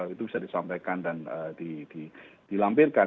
itu bisa disampaikan dan dilampirkan